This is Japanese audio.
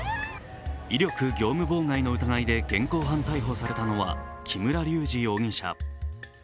威力業務妨害の疑いで現行犯逮捕されたのは木村隆二容疑者。